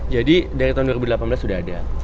jadi dari tahun dua ribu delapan belas sudah ada